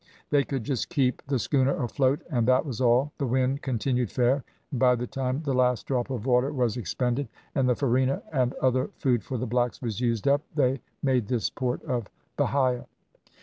They could just keep the schooner afloat, and that was all. The wind continued fair, and by the time the last drop of water was expended and the farina and other food for the blacks was used up, they made this port of Bahia.